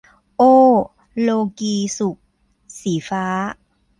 โอ้ โลกีย์สุข - สีฟ้า